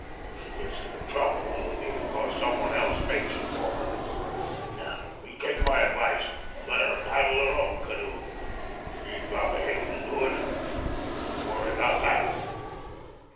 If she gets into trouble it'll be because some one else makes it for her. You take my advice, and let her paddle her own canoe. She's got the head to do it; don't you worry about that.